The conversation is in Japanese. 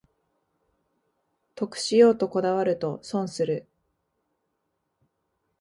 得しようとこだわると損する